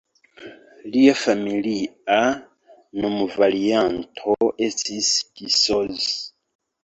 Lia familia nomvarianto estis "D’Isoz".